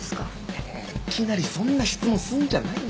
いきなりそんな質問すんじゃないよ。